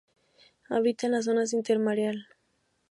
Habita en la zonas intermareal.